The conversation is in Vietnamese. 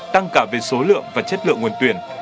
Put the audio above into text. tăng cả về số lượng và chất lượng nguồn tuyển